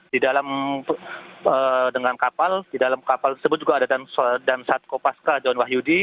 di dalam dengan kapal di dalam kapal tersebut juga ada dansat kopaska john wahyudi